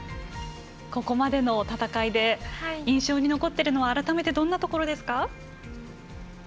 ここまでの戦いで印象に残っているのは改めて、どんなところですか？